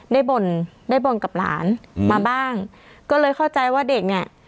บ่นได้บ่นกับหลานอืมมาบ้างก็เลยเข้าใจว่าเด็กเนี้ย